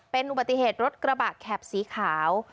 เป็นอุบัติเหตุรถกระบะแข็บสีขาว